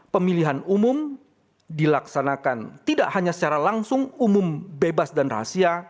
pemilihan umum dilaksanakan tidak hanya secara langsung umum bebas dan rahasia